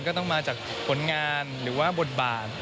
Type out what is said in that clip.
ก็ต้องมาจากผลงานหรือว่าบทบาท